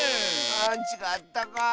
あちがったかあ。